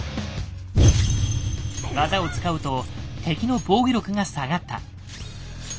技を使うと敵の防御力が下がった。